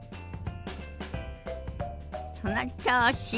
その調子！